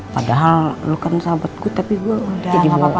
padahal lu kan sahabatku tapi gua jadi bohong